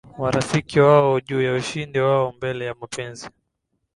marafiki wao juu ya ushindi wao mbele ya mapenzi